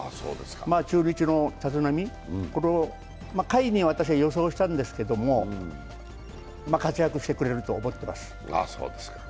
中日の立浪を下位に私は予想したんですけど、活躍してくれると思ってます。